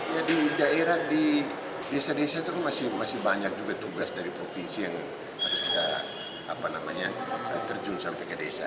jadi daerah di desa desa itu masih banyak juga tugas dari provinsi yang harus terjun sampai ke desa